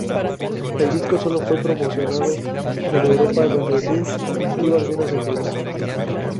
El disco sólo fue promocionado en Europa, donde Durst dio algunas entrevistas.